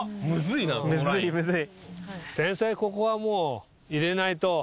天才ここはもう入れないと。